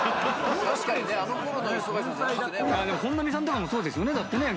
本並さんとかもそうですよねだってね。